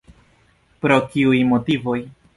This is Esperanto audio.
Pro kiuj motivoj?